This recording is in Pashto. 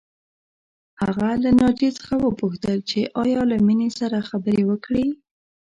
هغه له ناجیې څخه وپوښتل چې ایا له مينې سره خبرې وکړې